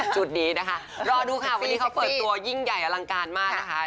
จุดนี้นะคะรอดูค่ะวันนี้เขาเปิดตัวยิ่งใหญ่อลังการมากนะคะ